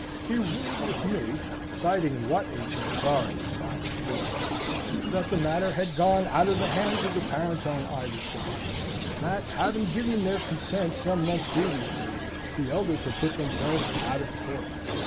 He ruled with me (citing what ancient authorities I don't know), that the matter had gone out of the hands of the parents on either side; that having given their consent, some months previously, the elders had put themselves out of court.